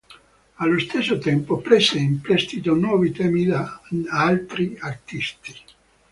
Allo stesso tempo prese in prestito nuovi temi da altri artisti.